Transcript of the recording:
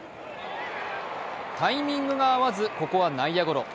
タイミングが合わず、ここは内野ゴロ。